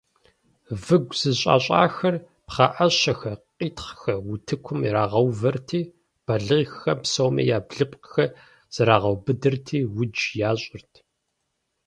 Выгу зэщӀэщӀахэр, пхъэӀэщэхэр, къитхъхэр утыкум ирагъэувэрти, балигъхэм псоми я блыпкъхэр зэрагъэубыдырти, удж ящӀырт.